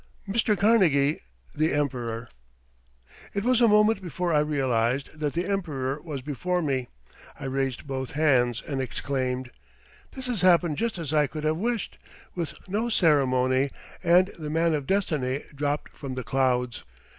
"Mr. Carnegie, the Emperor." It was a moment before I realized that the Emperor was before me. I raised both hands, and exclaimed: "This has happened just as I could have wished, with no ceremony, and the Man of Destiny dropped from the clouds."